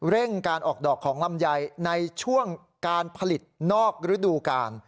เร่งการออกดอกของลำไยในช่วงการผลิตนอกฤดูกาล